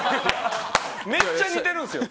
めっちゃ似てるんですよ。